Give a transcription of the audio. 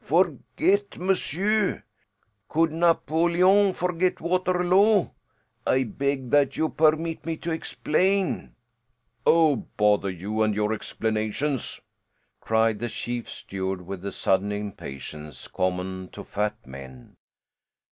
"Forget, monsieur? Could Napoleon forget Waterloo? I beg that you permit me to explain." "Oh, bother you and your explanations!" cried the chief steward with the sudden impatience common to fat men.